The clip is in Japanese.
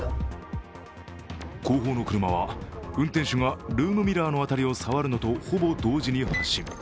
後方の車は、運転手がルームミラーの辺りを触るのとほぼ同時に発進。